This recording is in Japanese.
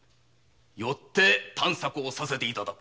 よって探索をさせていただく。